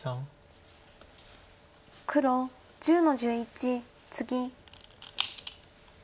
黒１０の十一ツギ。